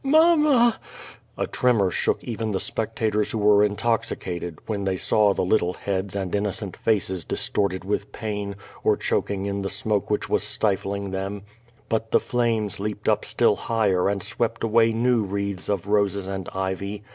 Mamma!'' A tremor shook even the spectators who were intoxicated^ when they saw the little heads and in 454 QUO VADI8, nocent faces distorted with pain, or choking in the smoke which was stifling them. But the flames. leaped up still higher and swept away new wreaths of roses and ivy.